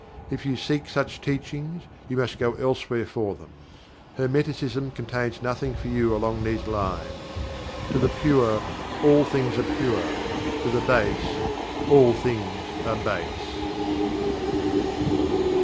If you seek such teachings, you must go elsewhere for them Hermeticism contains nothing for you along these lines. To the pure, all things are pure; to the base, all things are base.